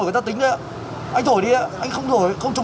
và thử nồng độ cồn